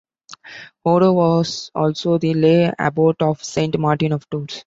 Odo was also the lay abbot of Saint Martin of Tours.